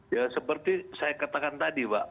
ya seperti saya katakan tadi pak